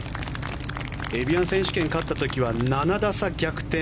エビアン選手権に勝った時は７打差逆転